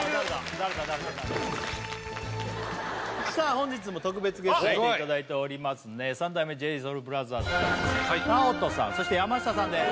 誰だ誰ださあ本日も特別ゲスト来ていただいておりますね三代目ＪＳＯＵＬＢＲＯＴＨＥＲＳＮＡＯＴＯさんそして山下さんです